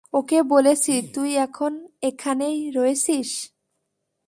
ওকে বলেছি তুই এখন এখানেই রয়েছিস।